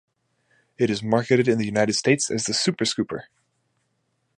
It is marketed in the United States as the "Superscooper".